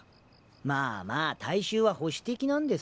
まあまあ大衆は保守的なんです。